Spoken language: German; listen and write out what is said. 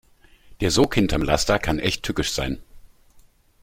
Der Sog hinterm Laster kann echt tückisch sein.